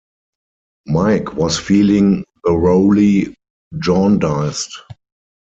Mike was feeling thoroughly jaundiced.